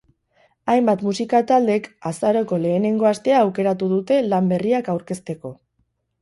Hainbat musika taldek azaroko lehenengo astea aukeratu dute lan berriak aurkezteko.